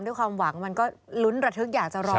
ด้วยความหวังมันก็ลุ้นระทึกอยากจะรอ